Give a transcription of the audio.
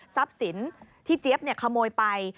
ทรัพย์สินที่เจ๊บขโมยไป